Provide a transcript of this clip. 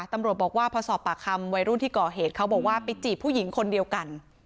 ตำรวจบอกว่าพอสอบปากคำวัยรุ่นที่ก่อเหตุเขาบอกว่าไปจีบผู้หญิงคนเดียวกัน